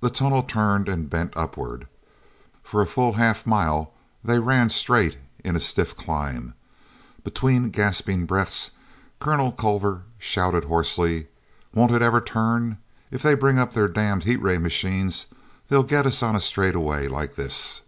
The tunnel turned and bent upward. For a full half mile they ran straight in a stiff climb. Between gasping breaths Colonel Culver shouted hoarsely: "Won't it ever turn? If they bring up their damned heat ray machines they'll get us on a straightaway like this!"